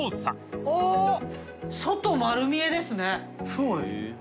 そうですね。